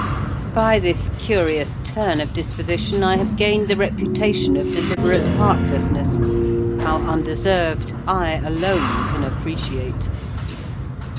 By this curious turn of disposition I have gained the reputation of deliberate heartlessness; how undeserved, I alone can appreciate.